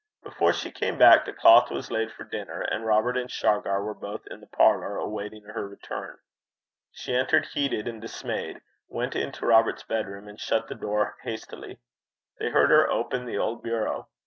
Before she came back the cloth was laid for dinner, and Robert and Shargar were both in the parlour awaiting her return. She entered heated and dismayed, went into Robert's bedroom, and shut the door hastily. They heard her open the old bureau.